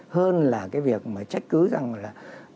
hơn là cái việc mà trách cứ rằng là